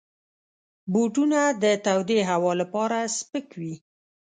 بوټونه د تودې هوا لپاره سپک وي.